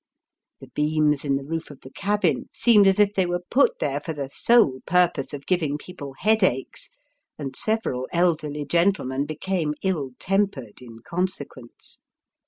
The beams in the roof of the cabin seemed as if they were put there for the sole purpose of giving people headaches, and several elderly gentlemen became ill tempered in consequence.